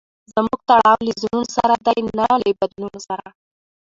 زموږ تړاو له زړونو سره دئ؛ نه له بدنونو سره.